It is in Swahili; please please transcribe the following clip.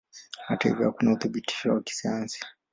Hata hivyo hakuna uthibitisho wa kisayansi.